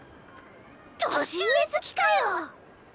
年上好きかよ。